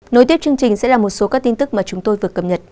nối tiếp chương trình sẽ là một số các tin tức mà chúng tôi vừa cập nhật